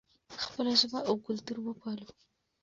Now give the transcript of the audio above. خپله ژبه او کلتور وپالو.